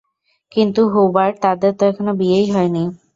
কিন্তু, হুবার্ট, তাদের তো এখনো বিয়েই হয়নি।